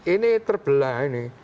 ini terbelah ini